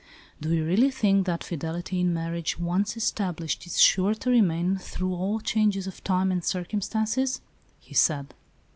" Do you really think that fidelity in marriage, once established, is sure to remain through all changes of time and circumstance ?" he said.